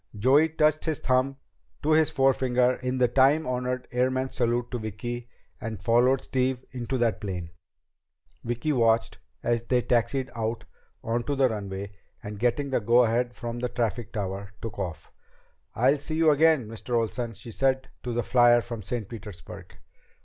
Joey touched his thumb to his forefinger in the time honored airman's salute to Vicki, and followed Steve into the plane. Vicki watched as they taxied out onto the runway, and getting the go ahead from the traffic tower, took off. "I'll see you again, Mr. Olsen," she said to the flier from St. Petersburg.